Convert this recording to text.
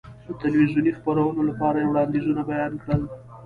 د تلویزیوني خپرونو لپاره یې وړاندیزونه بیان کړل.